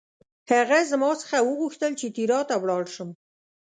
هغه زما څخه وغوښتل چې تیراه ته ولاړ شم.